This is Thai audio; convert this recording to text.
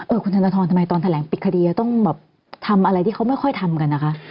คุณธนทรทำไมตอนแถลงปิดคดีจะต้องแบบทำอะไรที่เขาไม่ค่อยทำกันนะคะ